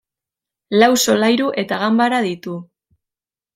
Lau solairu eta ganbara ditu.